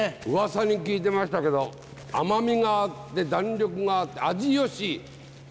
うわさに聞いてましたけど甘みがあって弾力があって味よし！